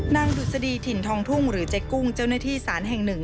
ดุษฎีถิ่นทองทุ่งหรือเจ๊กุ้งเจ้าหน้าที่สารแห่งหนึ่ง